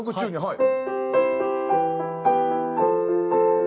はい。